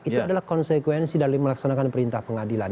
itu adalah konsekuensi dalam melaksanakan perintah pengadilan